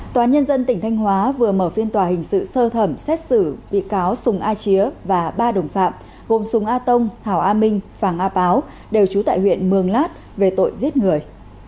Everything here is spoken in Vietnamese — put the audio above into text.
tòa nhân dân tỉnh thanh hóa vừa mở phiên tòa hình sự sơ thẩm xét xử bị cáo sùng a chía và ba đồng phạm gồm sùng a tông hà a minh phàng a páo đều trú tại huyện mường lát về tội giết người